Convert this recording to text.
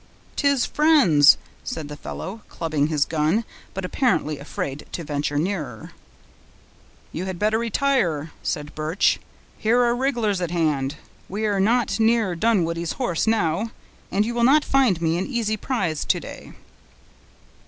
"'Tis friends," said the fellow, clubbing his gun, but apparently afraid to venture nearer. "You had better retire," said Birch; "here are rig'lars at hand. We are not near Dunwoodie's horse now, and you will not find me an easy prize to day."